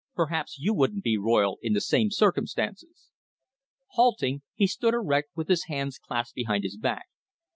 Perhaps you wouldn't be, Royle, in the same circumstances." Halting, he stood erect with his hands clasped behind his back.